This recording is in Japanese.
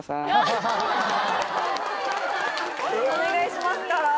お願いしますから。